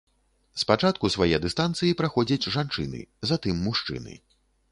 Спачатку свае дыстанцыі праходзяць жанчыны, затым мужчыны.